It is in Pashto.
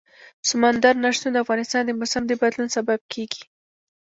سمندر نه شتون د افغانستان د موسم د بدلون سبب کېږي.